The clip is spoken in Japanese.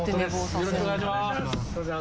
よろしくお願いします。